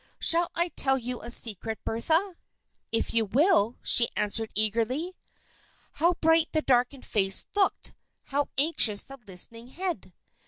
"Shall I tell you a secret, Bertha?" "If you will," she answered eagerly. How bright the darkened face looked! How anxious the listening head!